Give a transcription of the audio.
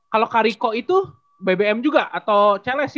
kalau kak riko itu bbm juga atau celes sih